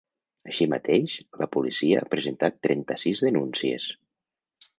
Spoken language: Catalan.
Així mateix, la policia ha presentat trenta-sis denúncies.